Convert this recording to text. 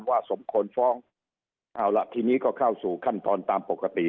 สมควรฟ้องเอาล่ะทีนี้ก็เข้าสู่ขั้นตอนตามปกติ